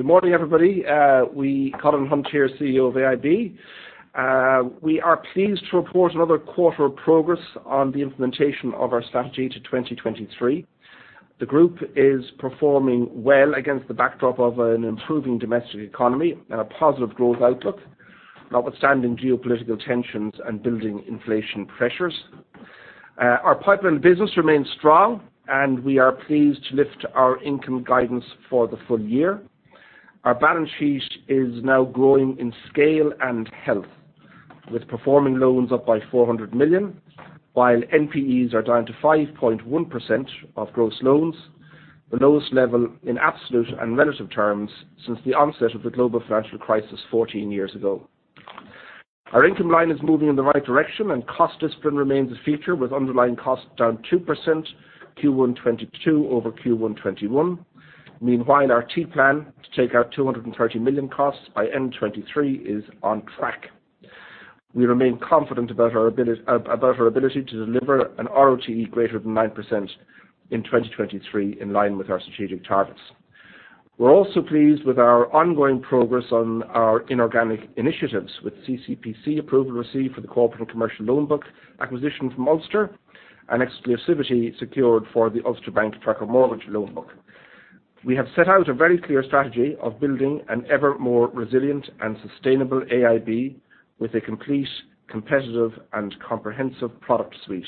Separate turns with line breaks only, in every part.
Good morning, everybody. Colin Hunt here, CEO of AIB. We are pleased to report another quarter of progress on the implementation of our strategy to 2023. The group is performing well against the backdrop of an improving domestic economy and a positive growth outlook, notwithstanding geopolitical tensions and building inflation pressures. Our pipeline business remains strong, and we are pleased to lift our income guidance for the full year. Our balance sheet is now growing in scale and health, with performing loans up by 400 million, while NPEs are down to 5.1% of gross loans, the lowest level in absolute and relative terms since the onset of the global financial crisis 14 years ago. Our income line is moving in the right direction and cost discipline remains a feature, with underlying costs down 2% Q1 2022 over Q1 2021. Meanwhile, our T plan to take out 230 million costs by end 2023 is on track. We remain confident about our about our ability to deliver a ROTE greater than 9% in 2023, in line with our strategic targets. We're also pleased with our ongoing progress on our inorganic initiatives with CCPC approval received for the corporate and commercial loan book acquisition from Ulster and exclusivity secured for the Ulster Bank tracker mortgage loan book. We have set out a very clear strategy of building an evermore resilient and sustainable AIB with a complete, competitive, and comprehensive product suite.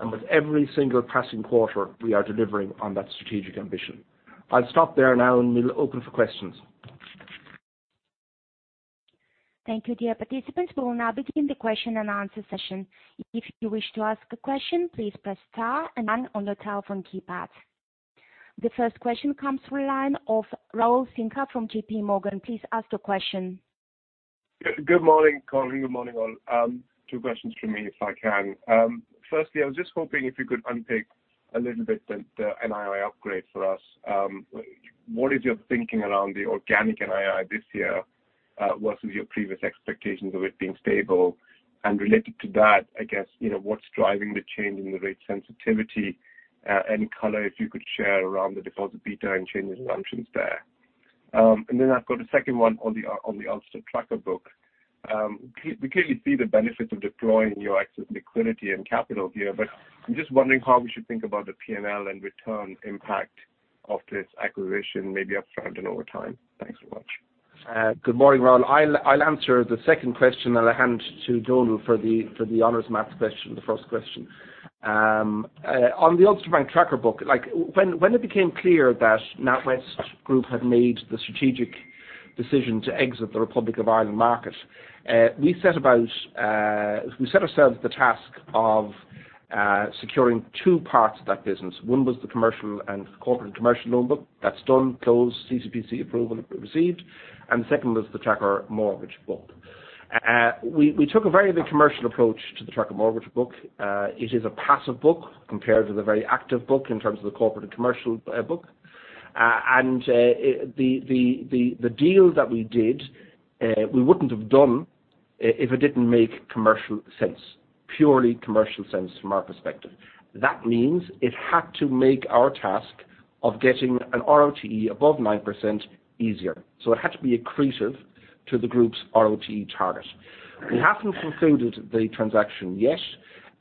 With every single passing quarter, we are delivering on that strategic ambition. I'll stop there now, and we'll open for questions.
Thank you, dear participants. We will now begin the question and answer session. If you wish to ask a question, please press star and one on your telephone keypad. The first question comes from the line of Rahul Sinha from JPMorgan. Please ask the question.
Good morning, Colin. Good morning, all. Two questions from me, if I can. Firstly, I was just hoping if you could unpick a little bit the NII upgrade for us. What is your thinking around the organic NII this year versus your previous expectations of it being stable? Related to that, I guess, you know, what's driving the change in the rate sensitivity, any color if you could share around the deposit beta and changes in assumptions there. And then I've got a second one on the Ulster tracker book. We clearly see the benefits of deploying your excess liquidity and capital here, but I'm just wondering how we should think about the P&L and return impact of this acquisition, maybe upfront and over time. Thanks so much.
Good morning, Rahul. I'll answer the second question, then I'll hand to Donal for the honors maths question, the first question. On the Ulster Bank tracker book, like when it became clear that NatWest Group had made the strategic decision to exit the Republic of Ireland market, we set ourselves the task of securing two parts of that business. One was the commercial and corporate and commercial loan book. That's done, closed, CCPC approval received. The second was the tracker mortgage book. We took a very commercial approach to the tracker mortgage book. It is a passive book compared to the very active book in terms of the corporate and commercial book. The deal that we did, we wouldn't have done if it didn't make commercial sense, purely commercial sense from our perspective. That means it had to make our task of getting a RoTE above 9% easier, so it had to be accretive to the group's RoTE target. We haven't concluded the transaction yet.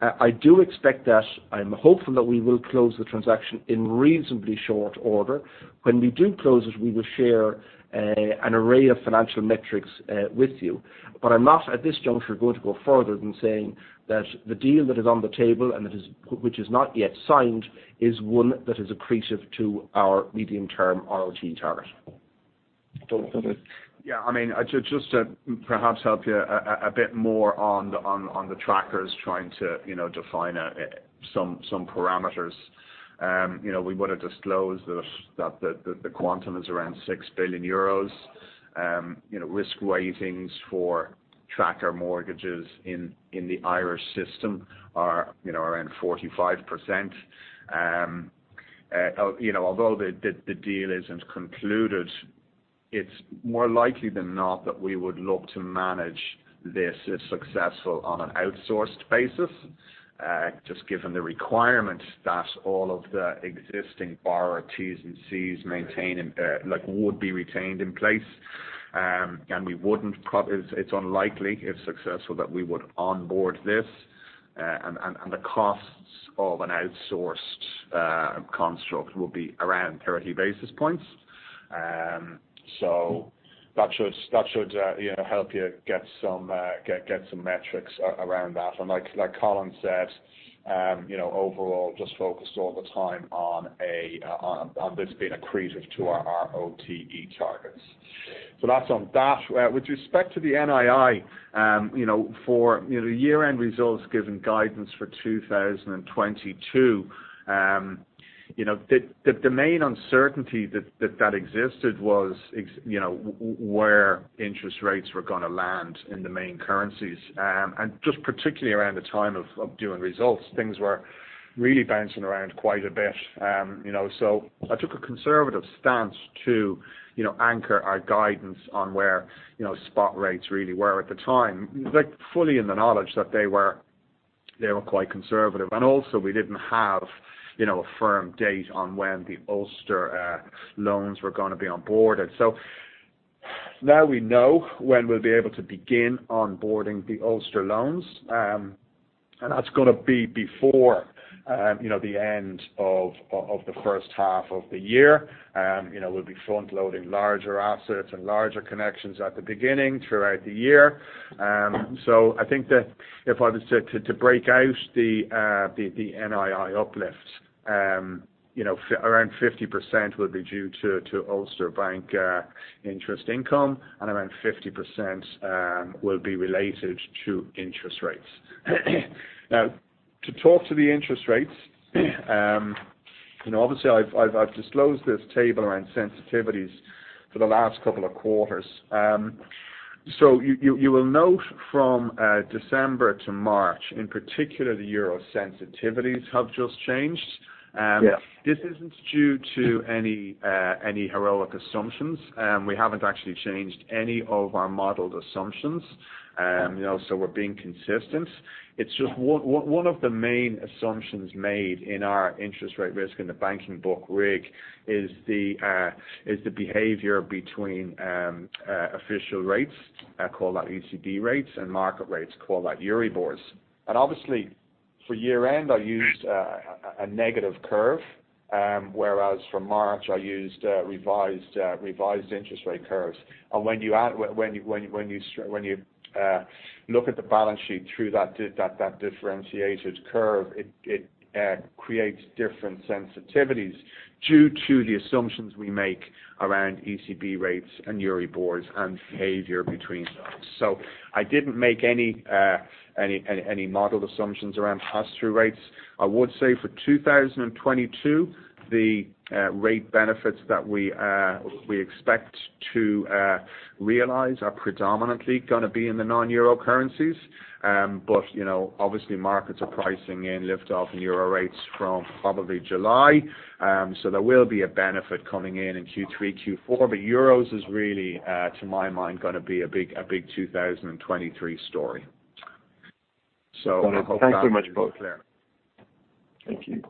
I do expect that, I'm hopeful that we will close the transaction in reasonably short order. When we do close it, we will share an array of financial metrics with you. I'm not, at this juncture, going to go further than saying that the deal that is on the table, which is not yet signed, is one that is accretive to our medium-term RoTE target.
Yeah, I mean, just to perhaps help you a bit more on the trackers trying to, you know, define some parameters. You know, we want to disclose that the quantum is around 6 billion euros. You know, risk weightings for tracker mortgages in the Irish system are, you know, around 45%. You know, although the deal isn't concluded, it's more likely than not that we would look to manage this if successful on an outsourced basis, just given the requirement that all of the existing borrower T&Cs maintain and, like, would be retained in place. It's unlikely, if successful, that we would onboard this. The costs of an outsourced construct will be around 30 basis points. That should, you know, help you get some metrics around that. Like Colin said, you know, overall just focused all the time on this being accretive to our RoTE targets. That's on that. With respect to the NII, you know, for the year-end results giving guidance for 2022, you know, the main uncertainty that existed was where interest rates were gonna land in the main currencies. Just particularly around the time of doing results, things were really bouncing around quite a bit. You know, I took a conservative stance to, you know, anchor our guidance on where, you know, spot rates really were at the time, like, fully in the knowledge that they were quite conservative. Also we didn't have, you know, a firm date on when the Ulster loans were gonna be on board. Now we know when we'll be able to begin onboarding the Ulster loans. That's gonna be before, you know, the end of the first half of the year. You know, we'll be front-loading larger assets and larger connections at the beginning throughout the year. I think that if I was to break out the NII uplifts, you know, around 50% will be due to Ulster Bank interest income, and around 50% will be related to interest rates. Now, to talk to the interest rates, you know, obviously I've disclosed this table around sensitivities for the last couple of quarters. You will note from December to March, in particular, the euro sensitivities have just changed.
Yeah. This isn't due to any heroic assumptions. We haven't actually changed any of our modeled assumptions. You know, we're being consistent. It's just one of the main assumptions made in our interest rate risk in the banking book IRRBB is the behavior between official rates, call that ECB rates, and market rates, call that Euribors. Obviously for year-end, I used a negative curve, whereas for March I used revised interest rate curves. When you look at the balance sheet through that differentiated curve, it creates different sensitivities due to the assumptions we make around ECB rates and Euribors and behavior between those. I didn't make any modeled assumptions around pass-through rates.
I would say for 2022, the rate benefits that we expect to realize are predominantly gonna be in the non-euro currencies. You know, obviously markets are pricing in lift off in euro rates from probably July. There will be a benefit coming in in Q3, Q4, but euros is really to my mind gonna be a big 2023 story. I hope that is clear.
Thanks so much both.
Thank you.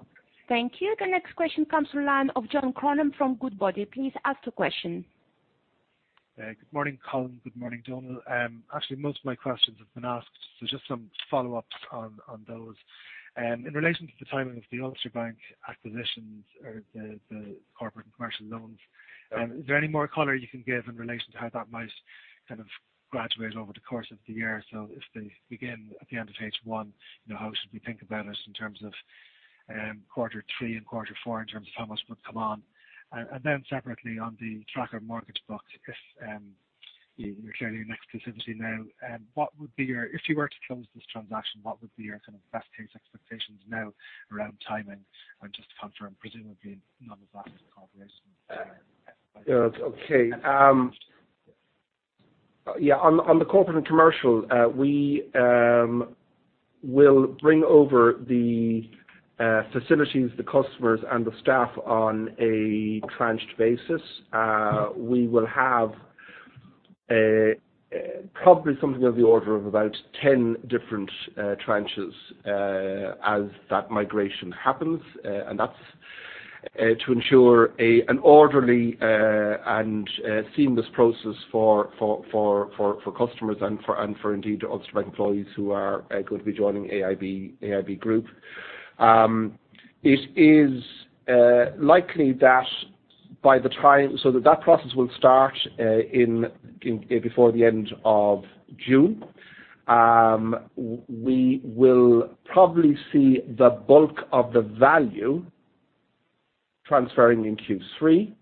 Thank you. The next question comes from the line of John Cronin from Goodbody. Please ask your question.
Good morning, Colin. Good morning, Donal. Actually, most of my questions have been asked, so just some follow-ups on those. In relation to the timing of the Ulster Bank acquisitions or the corporate and commercial loans.
Yeah.
Is there any more color you can give in relation to how that might kind of graduate over the course of the year? If they begin at the end of H1, you know, how should we think about it in terms of quarter three and quarter four in terms of how much would come on? Then separately on the tracker mortgage book, if you're in exclusivity now, if you were to close this transaction, what would be your kind of best-case expectations now around timing? Just to confirm, presumably none of that is in collaboration with AIB.
Yeah. Okay. Yeah, on the corporate and commercial, we will bring over the facilities, the customers and the staff on a tranched basis. We will have probably something of the order of about 10 different tranches as that migration happens. That's to ensure an orderly and seamless process for customers and for indeed Ulster Bank employees who are going to be joining AIB Group. It is likely that that process will start before the end of June. We will probably see the bulk of the value transferring in Q3.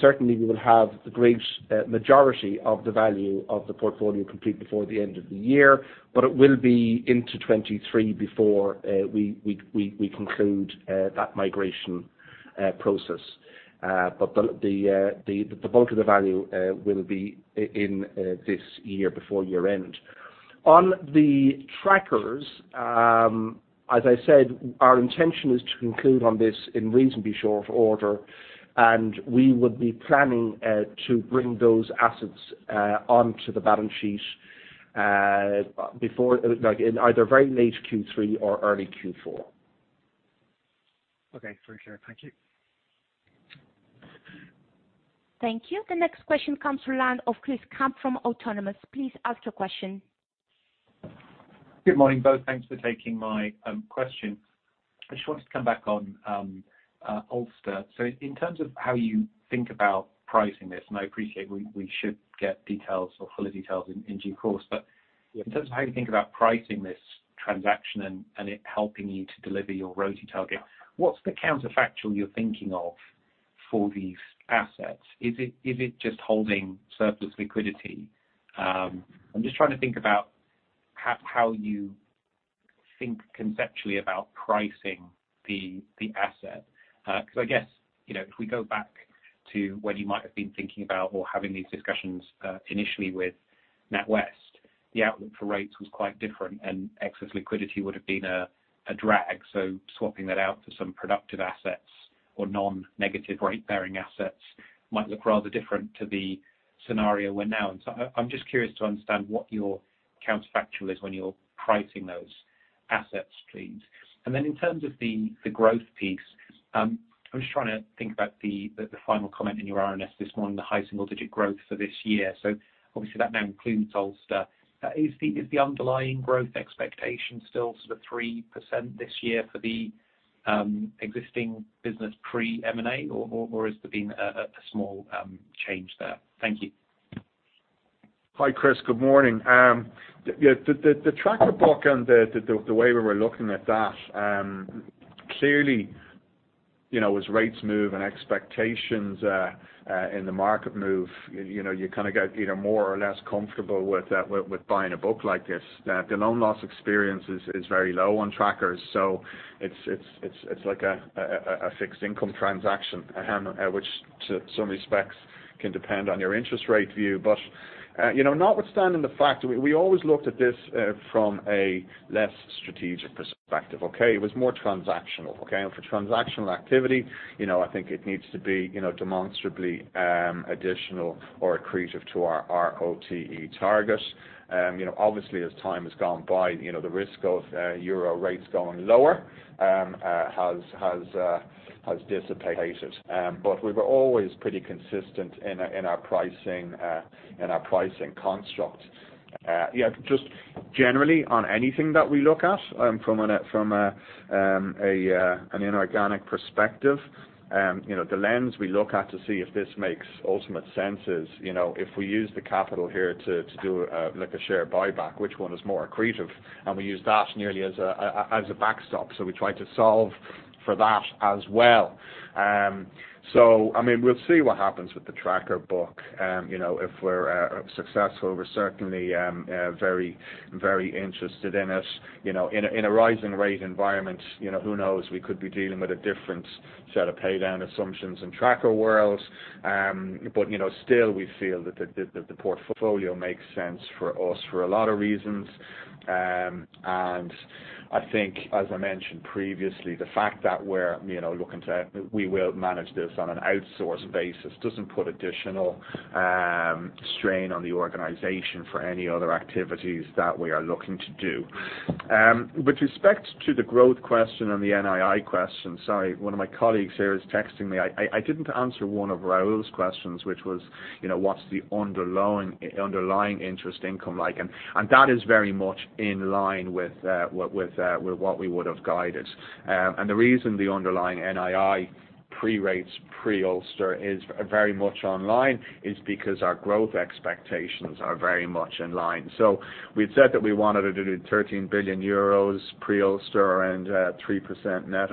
Certainly we will have the great majority of the value of the portfolio complete before the end of the year, but it will be into 2023 before we conclude that migration process. The bulk of the value will be in this year before year-end. On the trackers, as I said, our intention is to conclude on this in reasonably short order, and we would be planning to bring those assets onto the balance sheet before—like in either very late Q3 or early Q4.
Okay. For sure. Thank you.
Thank you. The next question comes from the line of Christopher Cant from Autonomous. Please ask your question.
Good morning, both. Thanks for taking my question. I just wanted to come back on Ulster. In terms of how you think about pricing this, and I appreciate we should get details or full details in due course.
Yeah.
In terms of how you think about pricing this transaction and it helping you to deliver your RoTE target, what's the counterfactual you're thinking of for these assets? Is it just holding surplus liquidity? I'm just trying to think about how you think conceptually about pricing the asset. Because I guess, you know, if we go back to what you might have been thinking about or having these discussions initially with NatWest, the outlook for rates was quite different, and excess liquidity would've been a drag. Swapping that out for some productive assets or non-negative rate bearing assets might look rather different to the scenario we're now in. I'm just curious to understand what your counterfactual is when you're pricing those assets, please. In terms of the growth piece, I'm just trying to think about the final comment in your RNS this morning, the high single-digit growth for this year. Obviously that now includes Ulster. Is the underlying growth expectation still sort of 3% this year for the existing business pre-M&A, or has there been a small change there? Thank you.
Hi, Chris. Good morning. You know, the Tracker book and the way we were looking at that, clearly, you know, as rates move and expectations in the market move, you know, you kind of get more or less comfortable with buying a book like this. The loan loss experience is very low on Trackers. So it's like a fixed income transaction, which to some respects can depend on your interest rate view. But you know, notwithstanding the fact we always looked at this from a less strategic perspective, okay? It was more transactional, okay? For transactional activity, you know, I think it needs to be demonstrably additional or accretive to our ROTE target. You know, obviously as time has gone by, you know, the risk of euro rates going lower has dissipated. We were always pretty consistent in our pricing construct. Yeah, just generally on anything that we look at from an inorganic perspective, you know, the lens we look at to see if this makes ultimate sense is, you know, if we use the capital here to do like a share buyback, which one is more accretive? We use that nearly as a backstop. We try to solve for that as well. I mean, we'll see what happens with the Tracker book. You know, if we're successful, we're certainly very, very interested in it. You know, in a rising rate environment, you know, who knows, we could be dealing with a different set of pay down assumptions in Tracker worlds. You know, still we feel that the portfolio makes sense for us for a lot of reasons. I think as I mentioned previously, the fact that we will manage this on an outsource basis doesn't put additional strain on the organization for any other activities that we are looking to do. With respect to the growth question and the NII question, sorry, one of my colleagues here is texting me. I didn't answer one of Rahul's questions, which was, you know, what's the underlying interest income like. That is very much in line with what we would have guided. The reason the underlying NII pre-rates, pre-Ulster is very much online is because our growth expectations are very much in line. We've said that we wanted to do 13 billion euros pre-Ulster and 3% net,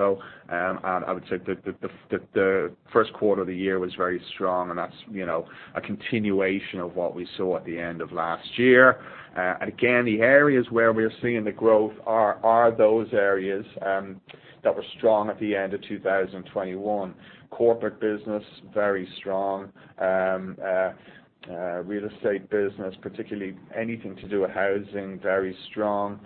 and I would say the first quarter of the year was very strong, and that's, you know, a continuation of what we saw at the end of last year. The areas where we're seeing the growth are those areas that were strong at the end of 2021. Corporate business, very strong. Real estate business, particularly anything to do with housing, very strong.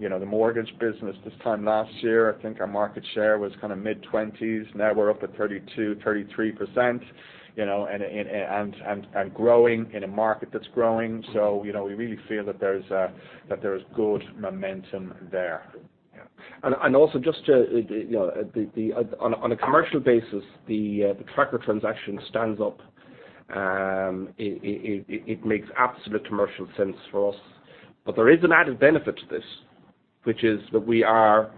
You know, the mortgage business this time last year, I think our market share was kind of mid-20s%. Now we're up at 32%-33%, you know, and growing in a market that's growing. You know, we really feel that there's good momentum there. Yeah.
On a commercial basis, the Tracker transaction stands up. It makes absolute commercial sense for us. There is an added benefit to this, which is that we are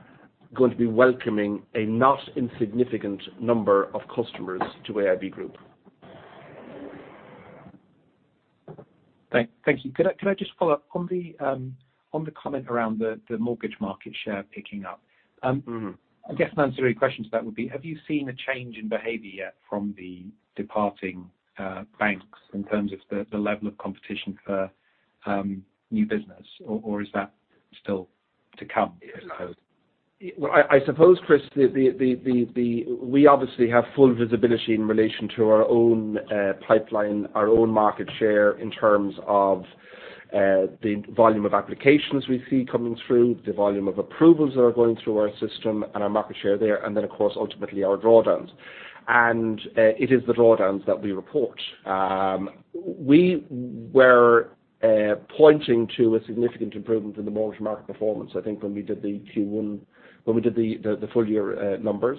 going to be welcoming a not insignificant number of customers to AIB Group.
Thank you. Can I just follow up? On the comment around the mortgage market share picking up.
Mm-hmm.
I guess an ancillary question to that would be, have you seen a change in behavior from the departing banks in terms of the level of competition for new business, or is that still to come?
Well, I suppose, Chris, we obviously have full visibility in relation to our own pipeline, our own market share in terms of the volume of applications we see coming through, the volume of approvals that are going through our system, and our market share there, and then of course, ultimately our drawdowns. It is the drawdowns that we report. We were pointing to a significant improvement in the mortgage market performance, I think when we did the full year numbers.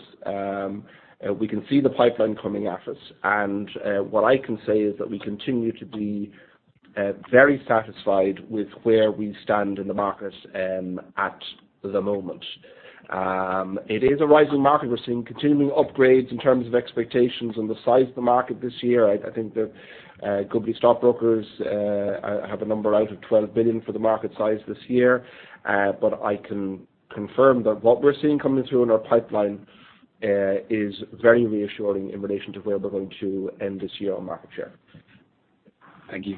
We can see the pipeline coming at us. What I can say is that we continue to be very satisfied with where we stand in the market at the moment. It is a rising market. We're seeing continuing upgrades in terms of expectations on the size of the market this year. I think the Goodbody Stockbrokers have a number of 12 billion for the market size this year. I can confirm that what we're seeing coming through in our pipeline is very reassuring in relation to where we're going to end this year on market share.
Thank you.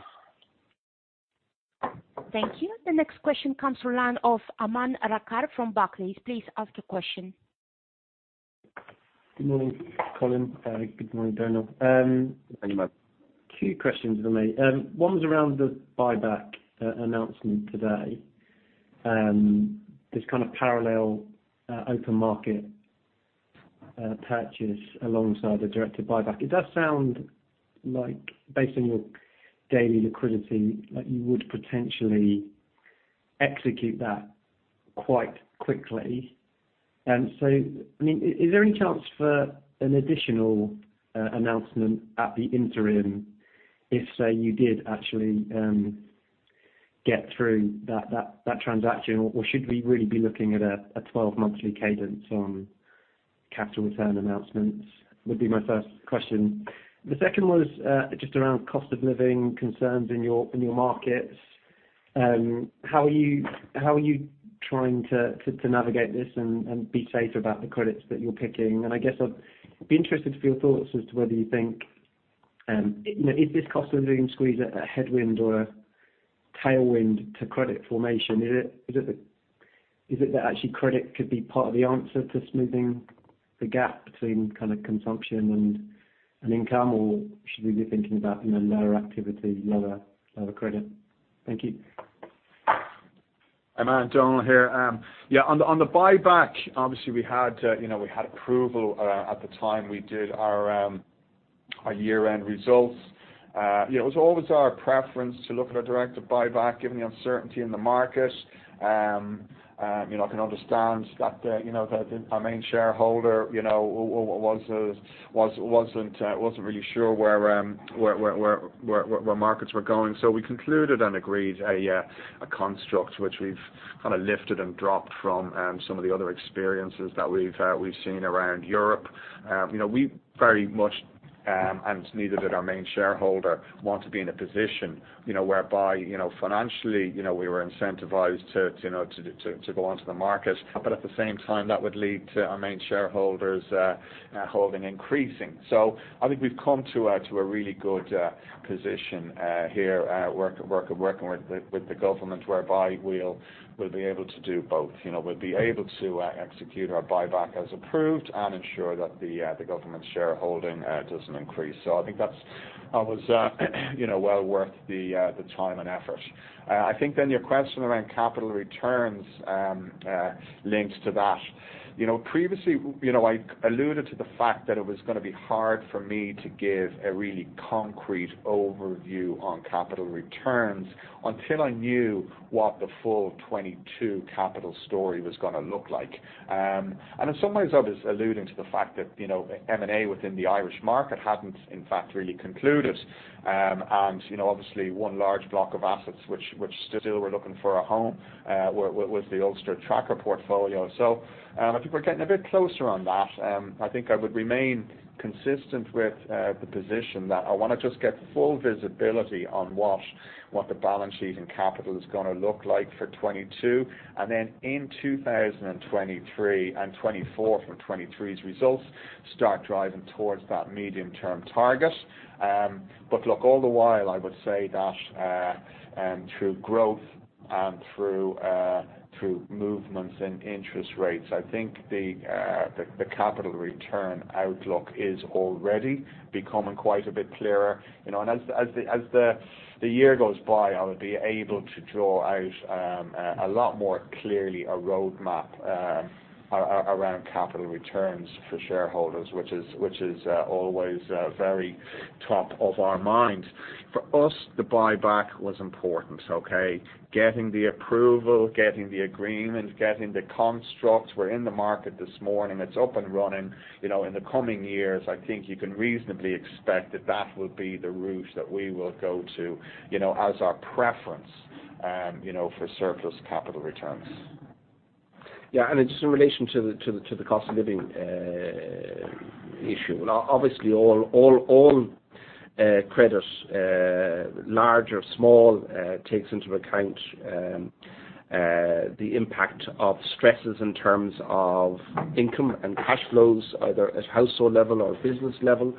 Thank you. The next question comes from line of Aman Rakkar from Barclays. Please ask the question.
Good morning, Colin. Good morning, Donal.
Thank you, Aman.
Two questions from me. One was around the buyback announcement today. This kind of parallel, open market, purchase alongside the directed buyback. It does sound like based on your daily liquidity, like you would potentially execute that quite quickly. I mean, is there any chance for an additional announcement at the interim if say you did actually get through that transaction, or should we really be looking at a twelve monthly cadence on capital return announcements? Would be my first question. The second was just around cost of living concerns in your markets. How are you trying to navigate this and be safer about the credits that you're picking? I guess I'd be interested for your thoughts as to whether you think you know, is this cost of living squeeze a headwind or a tailwind to credit formation? Is it that actually credit could be part of the answer to smoothing the gap between kind of consumption and income, or should we be thinking about you know, lower activity, lower credit? Thank you.
Hi, Aman, Donal here. On the buyback, obviously we had approval at the time we did our year-end results. You know, it was always our preference to look at a directed buyback given the uncertainty in the market. You know, I can understand that, you know, that our main shareholder, you know, wasn't really sure where markets were going. We concluded and agreed a construct which we've kind of lifted and dropped from some of the other experiences that we've seen around Europe. You know, we very much and neither did our main shareholder want to be in a position, you know, whereby, you know, financially, you know, we were incentivized to, you know, to go onto the market. At the same time, that would lead to our main shareholder's holding increasing. I think we've come to a really good position here working with the government, whereby we'll be able to do both. You know, we'll be able to execute our buyback as approved and ensure that the government shareholding doesn't increase. I think that was you know well worth the time and effort. I think then your question around capital returns links to that. You know, previously, you know, I alluded to the fact that it was gonna be hard for me to give a really concrete overview on capital returns until I knew what the full 2022 capital story was gonna look like. In some ways I was alluding to the fact that, you know, M&A within the Irish market hadn't in fact really concluded. You know, obviously one large block of assets which still were looking for a home was the Ulster Tracker portfolio. I think we're getting a bit closer on that. I think I would remain consistent with the position that I wanna just get full visibility on what the balance sheet and capital is gonna look like for 2022. Then in 2023 and 2024 from 2023's results start driving towards that medium term target. Look, all the while, I would say that through growth and through movements in interest rates, I think the capital return outlook is already becoming quite a bit clearer. You know, as the year goes by, I would be able to draw out a lot more clearly a roadmap around capital returns for shareholders, which is always very top of our mind. For us, the buyback was important, okay? Getting the approval, getting the agreement, getting the construct. We're in the market this morning. It's up and running. You know, in the coming years, I think you can reasonably expect that that will be the route that we will go to as our preference for surplus capital returns.
Yeah. Just in relation to the cost of living issue. Obviously all credit, large or small, takes into account the impact of stresses in terms of income and cash flows, either at household level or business level.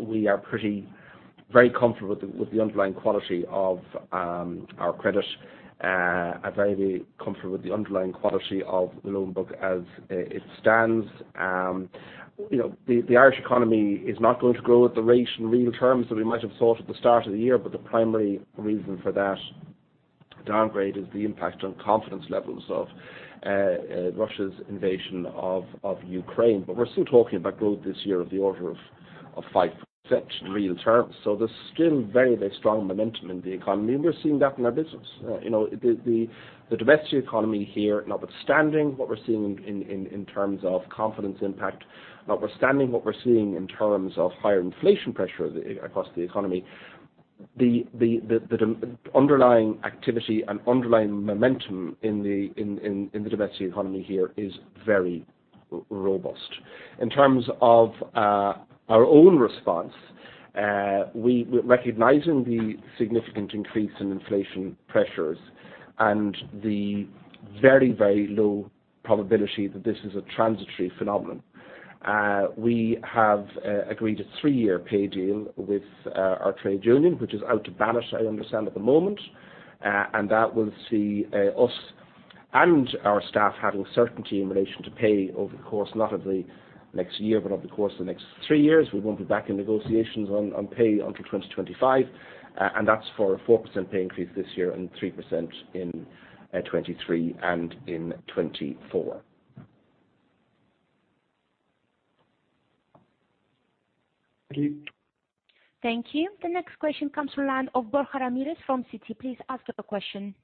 We are very comfortable with the underlying quality of the loan book as it stands. You know, the Irish economy is not going to grow at the rate in real terms that we might have thought at the start of the year, but the primary reason for that downgrade is the impact on confidence levels of Russia's invasion of Ukraine. We're still talking about growth this year of the order of 5% in real terms. There's still very, very strong momentum in the economy, and we're seeing that in our business. You know, the domestic economy here, notwithstanding what we're seeing in terms of confidence impact, notwithstanding what we're seeing in terms of higher inflation pressure across the economy, the underlying activity and underlying momentum in the domestic economy here is very robust. In terms of our own response, recognizing the significant increase in inflation pressures and the very, very low probability that this is a transitory phenomenon, we have agreed a three-year pay deal with our trade union, which is out to ballot, I understand, at the moment. That will see us and our staff having certainty in relation to pay over the course, not of the next year, but over the course of the next three years. We won't be back in negotiations on pay until 2025. That's for a 4% pay increase this year and 3% in 2023 and in 2024.
Thank you. The next question comes from the line of Borja Ramirez from Citi. Please ask your question.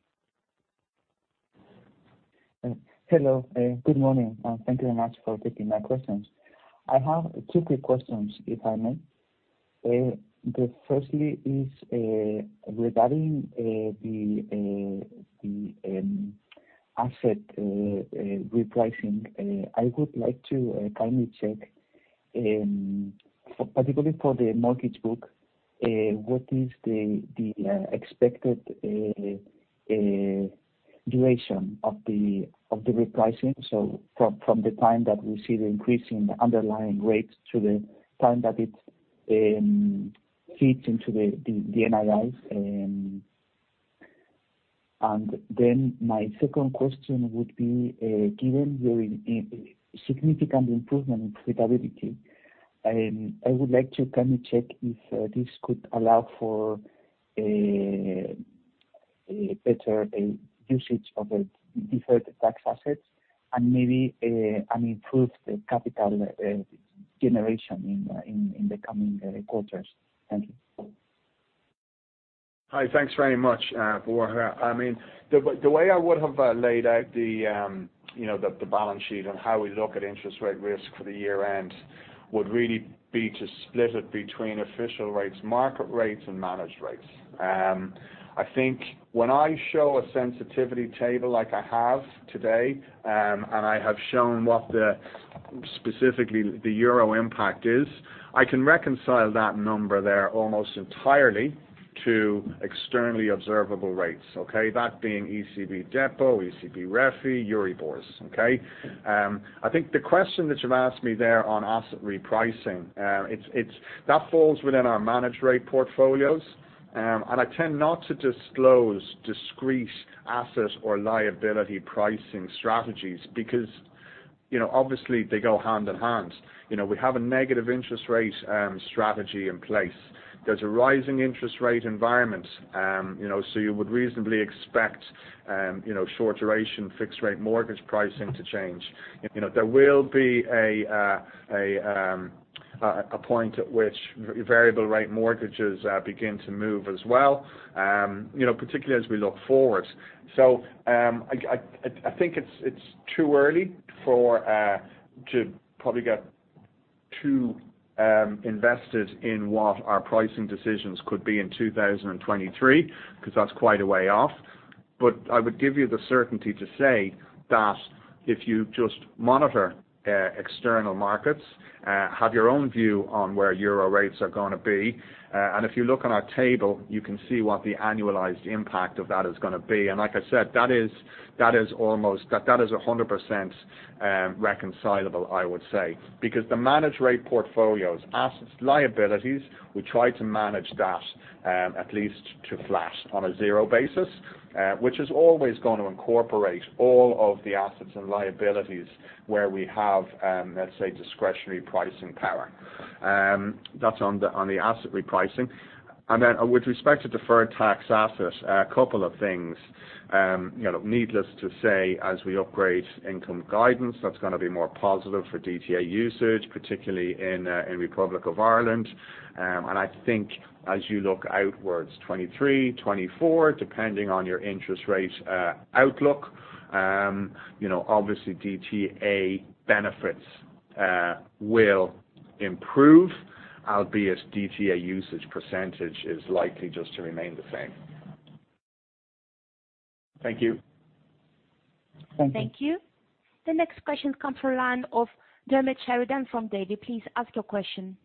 Hello. Good morning, and thank you very much for taking my questions. I have two quick questions, if I may. First is regarding the asset repricing. I would like to kindly check, particularly for the mortgage book, what is the expected duration of the repricing. From the time that we see the increase in the underlying rates to the time that it feeds into the NII. My second question would be, given your significant improvement in profitability, I would like to kindly check if this could allow for a better usage of the deferred tax assets and maybe an improved capital generation in the coming quarters. Thank you.
Hi. Thanks very much, Borja. I mean, the way I would have laid out, you know, the balance sheet and how we look at interest rate risk for the year-end would really be to split it between official rates, market rates, and managed rates. I think when I show a sensitivity table like I have today, and I have shown what, specifically the euro impact is, I can reconcile that number there almost entirely to externally observable rates, okay. That being ECB depo, ECB Refi, Euribors, okay. I think the question that you've asked me there on asset repricing, it's that falls within our managed rate portfolios. I tend not to disclose discrete asset or liability pricing strategies because, you know, obviously they go hand in hand. You know, we have a negative interest rate strategy in place. There's a rising interest rate environment, you know, so you would reasonably expect, you know, short duration fixed rate mortgage pricing to change. You know, there will be a point at which variable rate mortgages begin to move as well, you know, particularly as we look forward. I think it's too early to probably get too invested in what our pricing decisions could be in 2023, 'cause that's quite a way off. I would give you the certainty to say that if you just monitor external markets, have your own view on where euro rates are gonna be, and if you look on our table, you can see what the annualized impact of that is gonna be. Like I said, that is 100% reconcilable, I would say. Because the managed rate portfolios, assets, liabilities, we try to manage that at least to flat on a zero basis, which is always gonna incorporate all of the assets and liabilities where we have, let's say, discretionary pricing power. That's on the asset repricing. Then with respect to deferred tax asset, a couple of things. You know, needless to say, as we upgrade income guidance, that's gonna be more positive for DTA usage, particularly in Republic of Ireland. I think as you look outwards, 2023, 2024, depending on your interest rate outlook, you know, obviously DTA benefits will improve. Albeit DTA usage percentage is likely just to remain the same.
Thank you.
Thank you.
Thank you. The next question comes from the line of Diarmaid Sheridan from Davy. Please ask your question.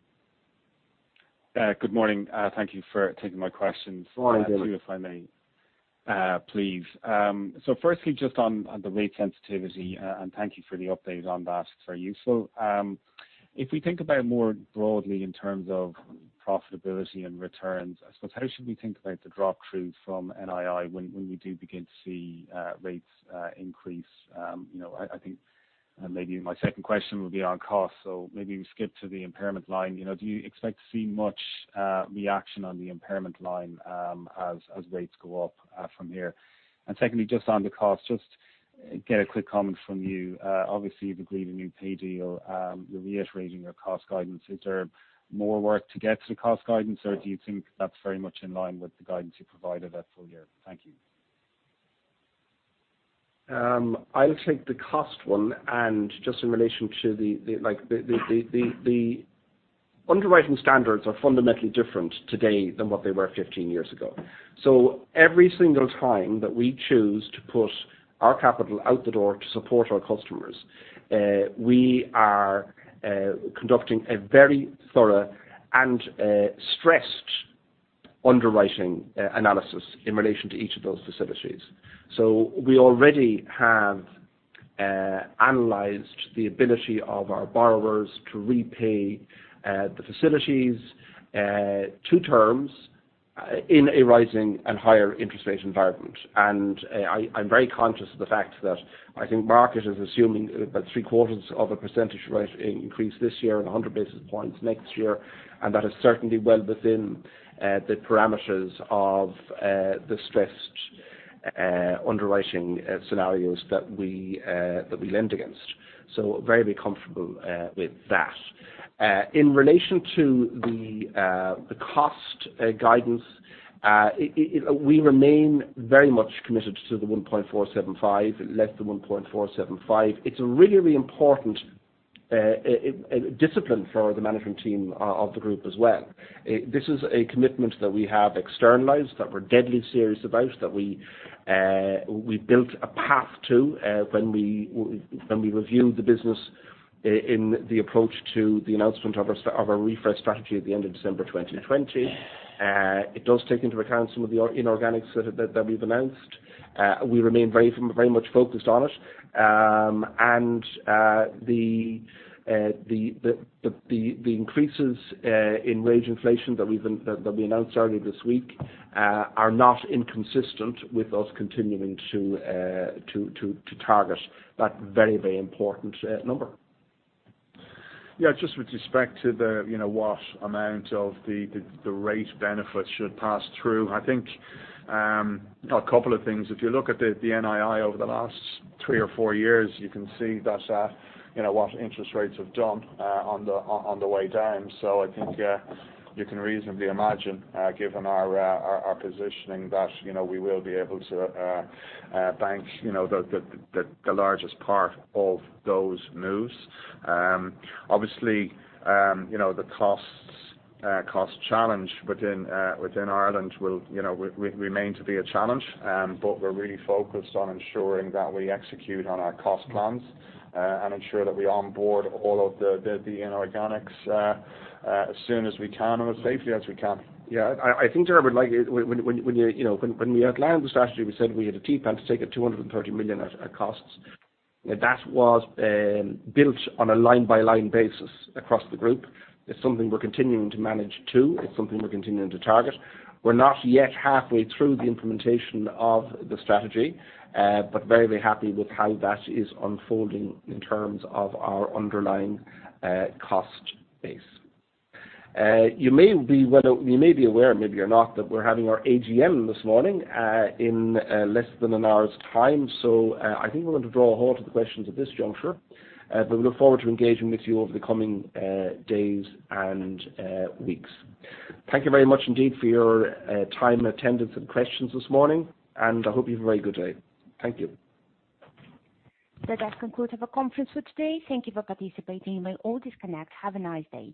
Good morning. Thank you for taking my questions.
Morning, Diarmaid Sheridan.
Two if I may, please. Firstly, just on the rate sensitivity, and thank you for the update on that. It's very useful. If we think about it more broadly in terms of profitability and returns, I suppose, how should we think about the drop-through from NII when we do begin to see rates increase? You know, I think maybe my second question will be on cost, so maybe we skip to the impairment line. You know, do you expect to see much reaction on the impairment line, as rates go up from here? And secondly, just on the cost, just get a quick comment from you. Obviously, you've agreed a new pay deal. You're reiterating your cost guidance. Is there more work to get to the cost guidance?
No.
Do you think that's very much in line with the guidance you provided at full year? Thank you.
I'll take the cost one, and just in relation to the underwriting standards are fundamentally different today than what they were 15 years ago. Every single time that we choose to put our capital out the door to support our customers, we are conducting a very thorough and stressed underwriting analysis in relation to each of those facilities. We already have Analyzed the ability of our borrowers to repay the facilities to terms in a rising and higher interest rate environment. I'm very conscious of the fact that I think market is assuming about three-quarters of a percentage rate increase this year and 100 basis points next year, and that is certainly well within the parameters of the stressed underwriting scenarios that we lend against. Very comfortable with that. In relation to the cost guidance, we remain very much committed to the 1.475, less than 1.475. It's a really important discipline for the management team of the group as well. This is a commitment that we have externalized, that we're deadly serious about, that we built a path to, when we reviewed the business in the approach to the announcement of our refresh strategy at the end of December 2020. It does take into account some of the inorganics that we've announced. We remain very, very much focused on it. The increases in wage inflation that we announced earlier this week are not inconsistent with us continuing to target that very, very important number.
Yeah. Just with respect to what amount of the rate benefit should pass through. I think a couple of things. If you look at the NII over the last three or four years, you can see that what interest rates have done on the way down. I think you can reasonably imagine, given our positioning, that we will be able to bank the largest part of those moves. Obviously, the cost challenge within Ireland will remain to be a challenge. We're really focused on ensuring that we execute on our cost plans and ensure that we onboard all of the inorganics as soon as we can and as safely as we can.
Yeah. I think, Diarmaid, we'd like. You know, when we outlined the strategy, we said we had a Transformation Programme to take out 230 million in costs. That was built on a line-by-line basis across the group. It's something we're continuing to manage. It's something we're continuing to target. We're not yet halfway through the implementation of the strategy, but very, very happy with how that is unfolding in terms of our underlying cost base. You may be aware, maybe you're not, that we're having our AGM this morning, in less than an hour's time, so I think we're going to draw a halt to the questions at this juncture. We look forward to engaging with you over the coming days and weeks. Thank you very much indeed for your time, attendance, and questions this morning, and I hope you have a very good day. Thank you.
That concludes our conference for today. Thank you for participating. You may all disconnect. Have a nice day.